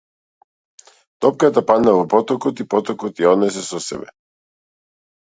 Топката падна во потокот и потокот ја однесе со себе.